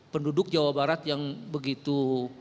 penduduk jawa barat yang begitu